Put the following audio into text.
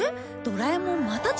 ドラえもんまた